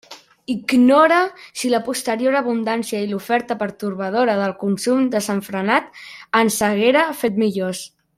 Ignore si la posterior abundància i l'oferta pertorbadora del consum desenfrenat ens haguera fet millors.